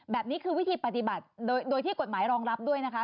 แบบนี้คือวิธีปฏิบัติโดยที่กฎหมายรองรับด้วยนะคะ